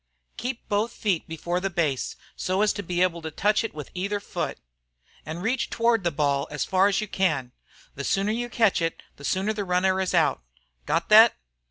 Keep both feet before the base, so as to be able to touch it with either foot. An' reach toward the ball as far as you can. The sooner you catch it, the sooner the runner is out. Got thet?